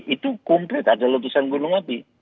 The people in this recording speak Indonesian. itu komplit ada letusan gunung api